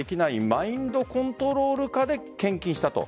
マインドコントロール下で献金したと。